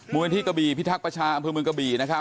มุเมธีกระบีพิทักษ์ประชาอำเภอมุมกระบี